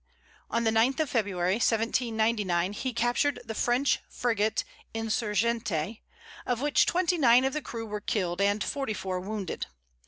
On the ninth of February, 1799, he captured the French frigate Insurgente, of which twenty nine of the crew were killed and forty four wounded.